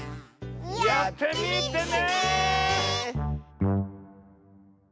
やってみてね！